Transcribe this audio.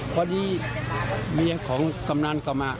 พอดีเมียของกำนันกลับมา